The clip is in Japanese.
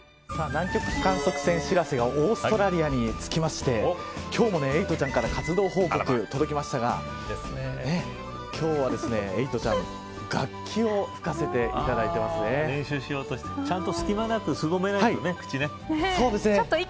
南極観測船しらせがオーストラリアに着きまして今日もエイトちゃんから活動報告届きましたが今日は、エイトちゃん楽器を練習しようとしてちゃんと隙間なくすぼめないとね、口ね。